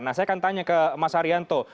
nah saya akan tanya ke mas haryanto